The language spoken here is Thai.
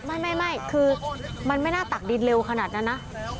ไม่คือมันไม่น่าตักดินเร็วขนาดนั้นนะ